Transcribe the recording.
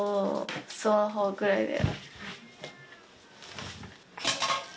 スマホくらいで。